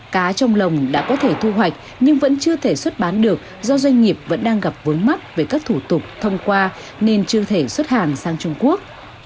cá trong lồng đã có thể thu hoạch nhưng vẫn chưa thể xuất bán được do doanh nghiệp vẫn đang gặp vướng mắt về các thủ tục thông qua nên chưa thể xuất hàng sang trung quốc